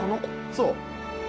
そう。